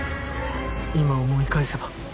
今思い返せば